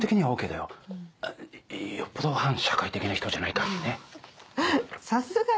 よっぽど反社会的な人じゃない限りね。